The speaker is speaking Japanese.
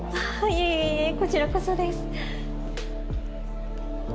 いえいえこちらこそです。